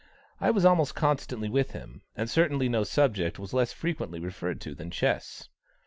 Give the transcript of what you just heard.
I was almost constantly with him, and certainly no subject was less frequently referred to than chess.